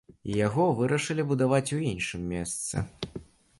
І яго вырашылі будаваць у іншым месцы.